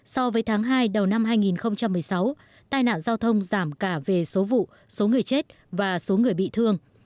so với tháng hai đầu năm hai nghìn một mươi sáu tai nạn giao thông giảm cả về số vụ số người chết và số người bị thương